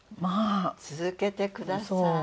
続けてください。